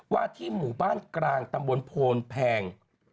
ว่าที่หมู่บ้านกลางตำบลโพนแพง